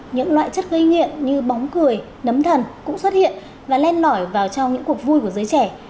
những loại chất gây nghiện như bóng cười nấm thần cũng xuất hiện và len lỏi vào trong những cuộc vui của giới trẻ